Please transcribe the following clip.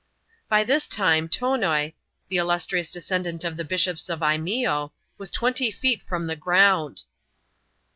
By this time, Tonoi, the illustrious descendant of the Bishops of Lneeo> was twenty feet from the ground.